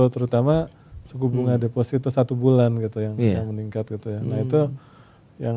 terutama suku bunga deposito satu bulan gitu yang meningkat gitu ya